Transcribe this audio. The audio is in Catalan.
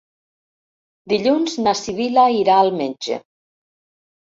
Dilluns na Sibil·la irà al metge.